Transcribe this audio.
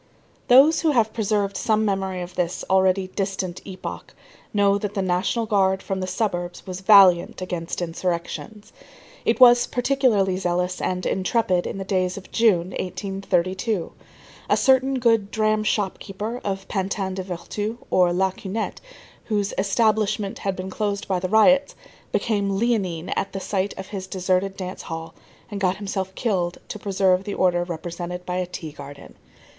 Those who have preserved some memory of this already distant epoch know that the National Guard from the suburbs was valiant against insurrections. It was particularly zealous and intrepid in the days of June, 1832. A certain good dram shop keeper of Pantin des Vertus or la Cunette, whose "establishment" had been closed by the riots, became leonine at the sight of his deserted dance hall, and got himself killed to preserve the order represented by a tea garden.